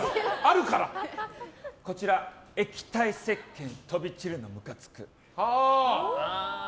液体せっけん飛び散るのムカつく！